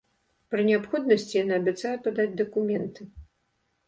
Пры неабходнасці яна абяцае падаць дакументы.